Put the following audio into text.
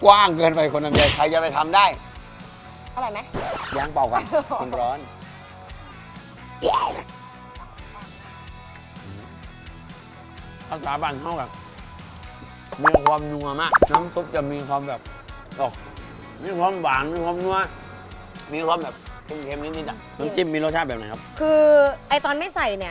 อ้าปากอมน้องด้วนพี่ดูหน่อยอหน้าด้วนเลยมันกว้างเกินไปคนหญิง